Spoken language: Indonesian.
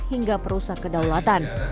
hingga perusahaan kedaulatan